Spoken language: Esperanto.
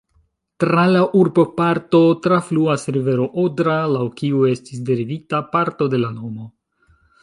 Tra la urboparto trafluas rivero Odra, laŭ kiu estis derivita parto de la nomo.